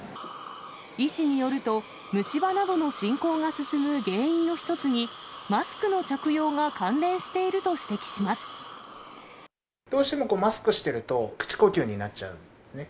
医師によると、虫歯などの進行が進む原因の一つに、マスクの着用が関連しているどうしてもマスクしてると、口呼吸になっちゃうんですね。